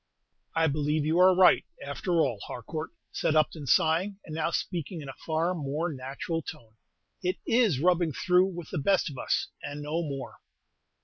"I believe you are right, after all, Harcourt," said Upton, sighing, and now speaking in a far more natural tone; "it is 'rubbing through' with the best of us, and no more!"